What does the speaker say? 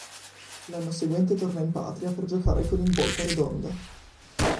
L'anno seguente torna in patria per giocare con il Volta Redonda.